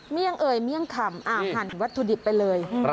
เอ่ยเมี่ยงคำหั่นวัตถุดิบไปเลย